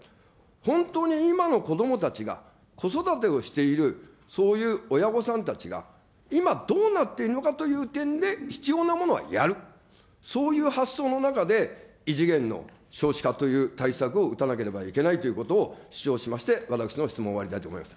本当に今の子どもたちが、子育てをしている、そういう親御さんたちが、今、どうなっているのかという点で必要なものはやる、そういう発想の中で、異次元の少子化という対策を打たなければいけないということを主張しまして、私の質問を終わりたいと思います。